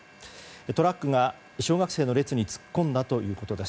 トラックが小学生の列に突っ込んだということです。